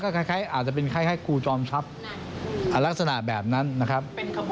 คล้ายอาจจะเป็นคล้ายครูจอมทรัพย์ลักษณะแบบนั้นนะครับ